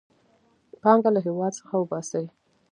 پانګه له هېواد څخه وباسي.